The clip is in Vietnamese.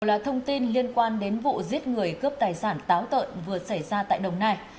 đây là thông tin liên quan đến vụ giết người cướp tài sản táo tợn vừa xảy ra tại đồng nai